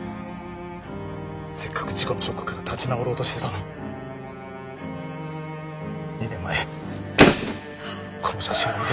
せっかく事故のショックから立ち直ろうとしてたのに２年前この写真を見て。